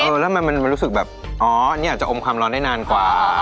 โอ้แล้วมันรู้สึกแบบเนี่ยอันนี้อมคำร้อนได้นานกว่า